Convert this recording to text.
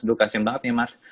duh kasian banget ya mas